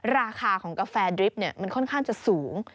ราคาของกาแฟดริปมันค่อนข้างจะสูง